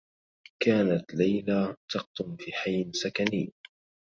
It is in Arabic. كانت ليلى تقطن في حيّ سكني.